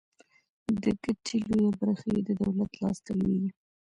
د ګټې لویه برخه یې د دولت لاس ته لویږي.